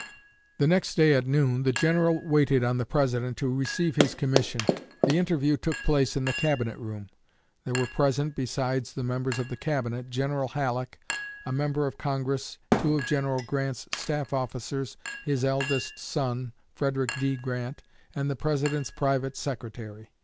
The next day at noon the General waited on the President to receive his commission. The interview took place in the Cabinet room. There were present, besides the members of the Cabinet, General Halleck, a member of Congress, two of General Grant's staff officers, his eldest son, Frederick D. Grant, and the President's private secretary.